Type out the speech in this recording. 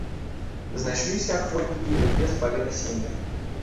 Знайшліся ахвотнікі, якія спалі на сене.